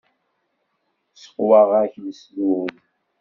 Seqwaɣ-ak lesdud.